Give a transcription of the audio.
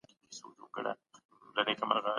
زه صداقت لرم.